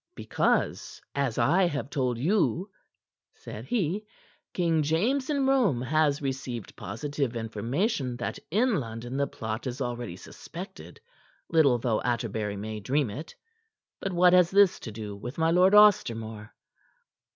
"Because, as I have told you," said he, "King James in Rome has received positive information that in London the plot is already suspected, little though Atterbury may dream it. But what has this to do with my Lord Ostermore?"